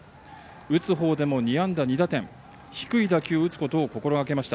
打つほうでも２安打２打点低い打球を打つことを心がけました。